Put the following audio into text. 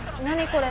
これ。